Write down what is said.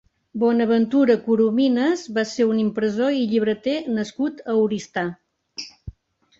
Bonaventura Corominas va ser un impressor i llibreter nascut a Oristà.